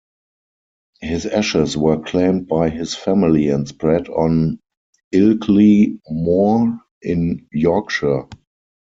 His ashes were claimed by his family and spread on Ilkley Moor in Yorkshire.